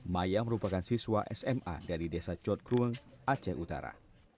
maya merupakan siswa sma dari desa cotrueng aceh utara